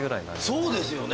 そうですよね